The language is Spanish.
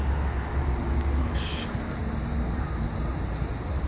No entre en Cartagena de ningún modo hasta nueva orden"".